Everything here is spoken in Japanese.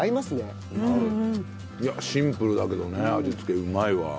シンプルだけどね味付けうまいわ。